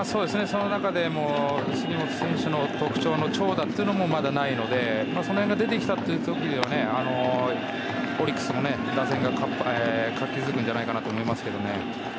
その中でも、杉本選手の特徴の長打というのもまだないのでその辺が出てきたという時はオリックスの打線が活気づくんじゃないかと思いますね。